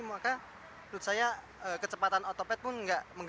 maka menurut saya kecepatan otopad pun gak mengganggu